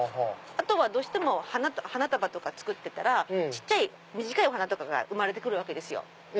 あとはどうしても花束とか作ってたら小っちゃい短いお花とかが生まれてくるわけですよ。